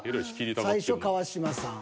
最初川島さん。